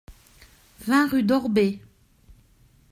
vingt rue d'Orbey